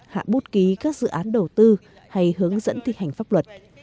hạ bút ký các dự án đầu tư hay hướng dẫn thi hành pháp luật